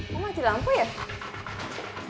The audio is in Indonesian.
kok mati lampu ya